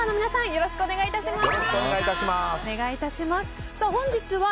よろしくお願いします。